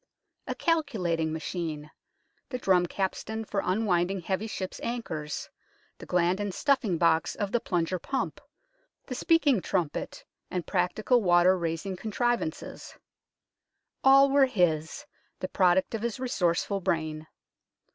A calculating machine, the drum capstan for up winding heavy ships' anchors, the gland and stuffing box of the plunger pump, the speaking trumpet, and practical water raising contriv ances all were his, the product of his resourceful brain.